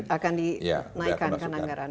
akan dinaikkan ke anggaran